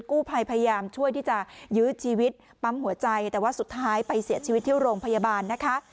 กู้ภัยพยายามช่วยที่จะยื้อชีวิตปั๊มหัวใจแต่ว่าสุดท้ายไปเสียชีวิตที่โรงพยาบาลนะคะ